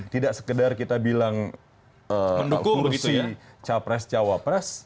tidak sekedar kita bilang akursi capres cawapres